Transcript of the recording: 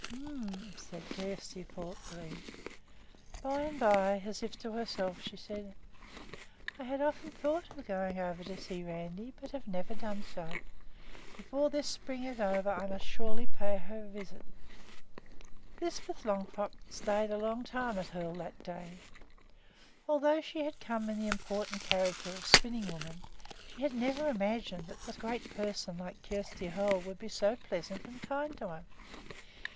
"H'm," said Kjersti thoughtfully. By and by, as if to herself, she said: "I have often thought of going to see Randi, but have never done so. Before this spring is over, I must surely pay her a visit." Lisbeth Longfrock stayed a long time at Hoel that day. Although she had come in the important character of spinning woman, she had never imagined that a great person like Kjersti Hoel would be so pleasant and kind to her.